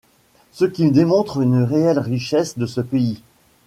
Ce qui démontre une réelle richesse de ce pays.